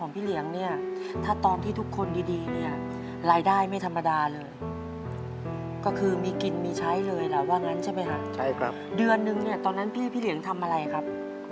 พี่เหลียงสวัสดีครับ